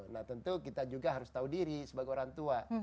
nah tentu kita juga harus tahu diri sebagai orang tua